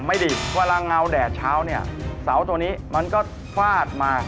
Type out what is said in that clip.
ไม่ดีเวลาเงาแดดเช้าเนี่ยเสาตัวนี้มันก็ฟาดมา